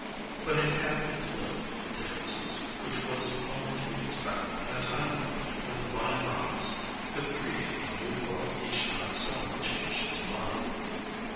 But it had its little differences, which was only to be expected in a timeline where the bionomics could create a new world each time someone changed his mind.